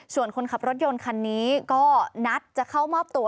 ส่วนคนขับรถยนต์คันนี้ก็นัดจะเข้ามอบตัว